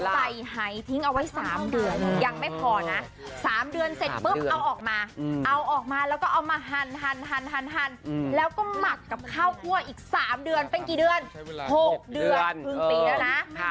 อย่าให้เสียชื่อทายาทนักร้องเพลงแหล่ว่าแล้วก็ทำไปแหล่ไปแบบนี้ค่ะ